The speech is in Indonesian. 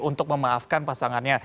untuk memaafkan pasangannya